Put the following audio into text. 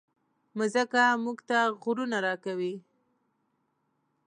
مځکه موږ ته غرونه راکوي.